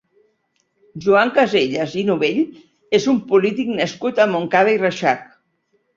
Joan Casellas i Novell és un polític nascut a Montcada i Reixac.